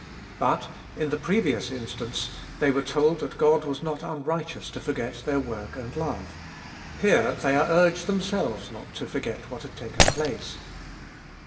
But, in the previous instance, they were told that God was not unrighteous to forget their work and love ; here they are urged themselves not to forget what had taken place.